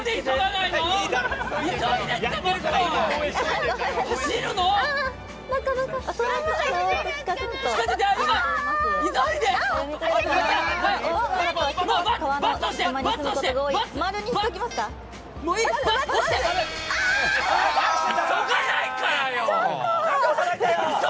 急がないからよ。